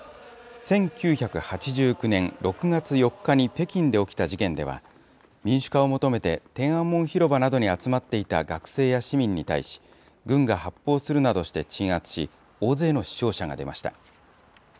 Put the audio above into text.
１９８９年６月４日に北京で起きた事件では、民主化を求めて、天安門広場などに集まっていた学生や市民に対し、軍が発砲するなどして鎮圧し、大勢の死傷者が出ました。